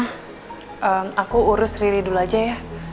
aku urus riri dulu aja ya